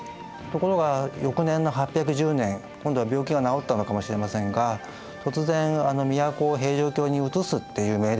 ところが翌年の８１０年今度は病気が治ったのかもしれませんが突然都を平城京にうつすっていう命令を出すことになるんですね。